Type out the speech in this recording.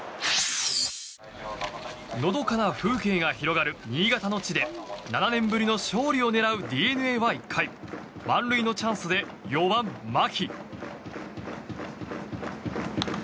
のどかな風景が広がる新潟の地で７年ぶりの勝利を狙うＤｅＮＡは１回満塁のチャンスで４番、牧。